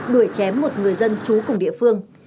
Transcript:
đuổi chém một người dân trú cùng địa phương